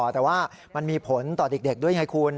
แต่ว่ามันมีผลต่อเด็กด้วยไงคุณ